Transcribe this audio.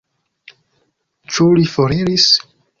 Ĉu li foriris?